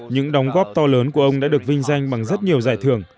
những đóng góp to lớn của ông đã được vinh danh bằng rất nhiều giải thưởng